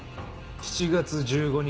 ７月１５日